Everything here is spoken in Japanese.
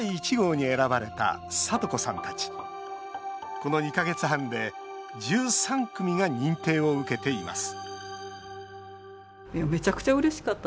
この２か月半で１３組が認定を受けています